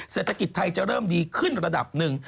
เศรษฐกิจไทยจะเริ่มดีขึ้นระดับหนึ่ง